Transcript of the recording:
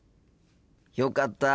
よかった。